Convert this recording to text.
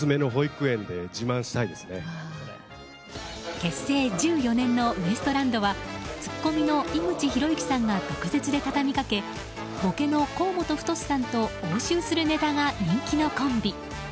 結成１４年のウエストランドはツッコミの井口浩之さんが毒舌で畳みかけボケの河本太さんと応酬するネタが人気のコンビ。